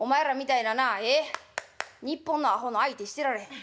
日本のアホの相手してられへん。